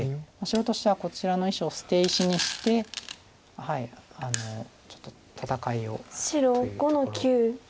白としてはこちらの石を捨て石にしてちょっと戦いをというところです。